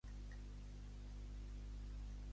Li enviarem aquí el formular.